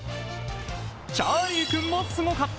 チャーリー君もすごかった！